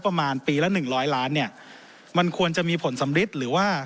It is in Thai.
ประมาณปีละหนึ่งร้อยล้านเนี่ยมันควรจะมีผลสำริดหรือว่า